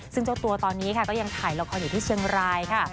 ซึ่งเจ้าตัวตอนนี้ค่ะก็ยังถ่ายละครอยู่ที่เชียงรายค่ะ